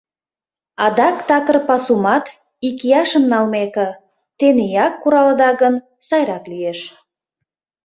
Адак такыр пасумат, икияшым налмеке, тенияк куралыда гын, сайрак лиеш.